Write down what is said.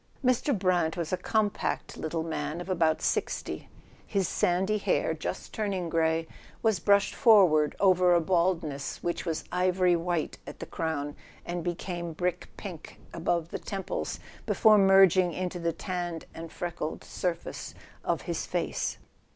Mr. Brant was a compact little man of about sixty. His sandy hair, just turning grey, was brushed forward over a baldness which was ivory white at the crown and became brick pink above the temples, before merg¬ ing into the tanned and freckled surface of his face.